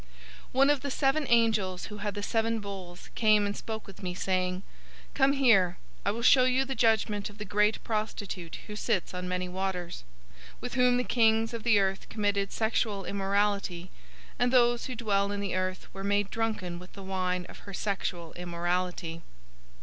017:001 One of the seven angels who had the seven bowls came and spoke with me, saying, "Come here. I will show you the judgment of the great prostitute who sits on many waters, 017:002 with whom the kings of the earth committed sexual immorality, and those who dwell in the earth were made drunken with the wine of her sexual immorality."